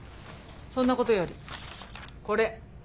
そんなことよりこれ。